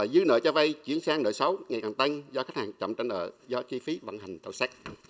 dưới nợ trao vay chuyển sang nợ xấu ngày càng tăng do khách hàng chậm trao nợ do chi phí vận hành tàu xét